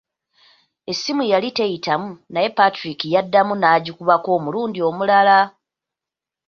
Essimu yali teyitamu naye Patrick yaddamu n'agikubako omulundi omulala.